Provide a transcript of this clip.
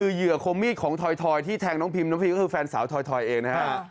คือเหยื่อคมมีดของถอยที่แทงน้องพิมน้องพิมก็คือแฟนสาวถอยเองนะฮะ